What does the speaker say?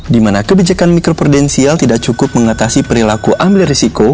di mana kebijakan mikropredensial tidak cukup mengatasi perilaku ambil risiko